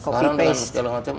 sekarang udah segala macam